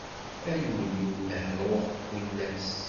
Ay ul-iw nehhuɣ kul ass.